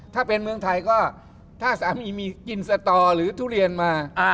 ถ้าเป็นเมืองไทยก็ถ้าสามีมีกินสตอหรือทุเรียนมา